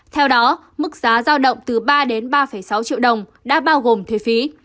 theo đó mức giá giao động từ ba đến ba sáu triệu đồng đã bao gồm thuế phí